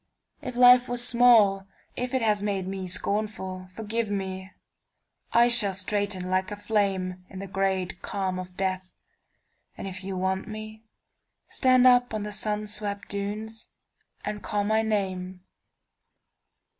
If life was small, if it has made me scornful, Forgive me; I shall straighten like a flameIn the great calm of death, and if you want meStand on the sun swept dunes and call my name.